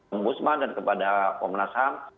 ombudsman dan kepada kom dan asn